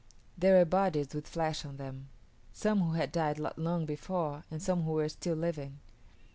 There were bodies with flesh on them; some who had died not long before and some who were still living.